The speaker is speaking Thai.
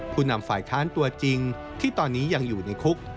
ผู้นำฝ่ายค้านตัวจริงที่ตอนนี้ยังอยู่ในคุก